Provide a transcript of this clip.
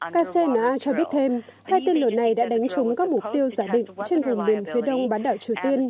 kcna cho biết thêm hai tên lửa này đã đánh trúng các mục tiêu giả định trên vùng biển phía đông bán đảo triều tiên